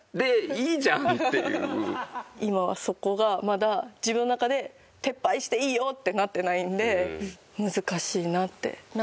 今はそこがまだ自分の中で撤廃していいよってなってないんで難しいなって。